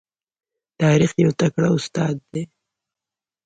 تاریخ یو تکړه استاد دی.